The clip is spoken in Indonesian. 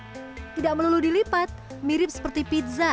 dan potongan biskuit hitam tidak melulu dilipat mirip seperti pilihan adonan